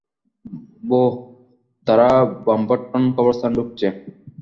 বোহ, তারা ব্রম্পটন কবরস্থানে ঢুকছে।